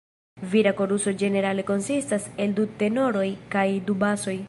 Vira koruso ĝenerale konsistas el du tenoroj kaj du basoj.